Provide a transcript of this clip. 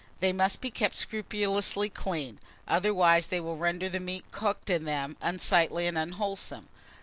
They must be kept scrupulously clean, otherwise they will render the meat cooked in them unsightly and unwholesome.